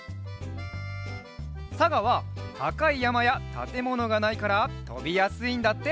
さがはたかいやまやたてものがないからとびやすいんだって！